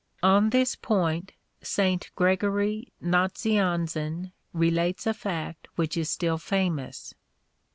On this point, St. Gregory Nazianzen relates a fact which is still famous.